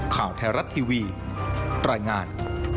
ข่าวไทยรัฐทีวีรายงาน